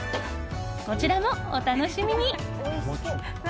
こちらもお楽しみに。